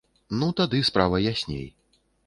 Ну, тады справа ясней.